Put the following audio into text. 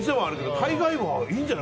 大概はいいんじゃない？